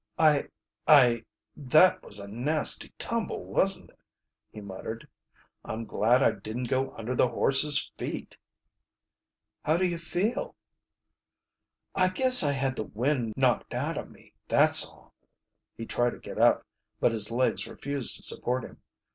"I I that was a nasty tumble, wasn't it?" he muttered. "I'm glad I didn't go under the horses' feet." "How do you feel?" "I guess I had the wind knocked out of me, that's all." He tried to get up, but his legs refused to support him.